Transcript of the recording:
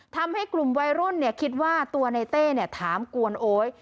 ทำให้กลุ่มวัยรุ่นคิดว่าตัวในเต้ถามกวนโอ๊ย